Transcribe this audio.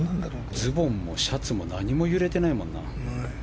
ズボンもシャツも何も揺れてないもんな。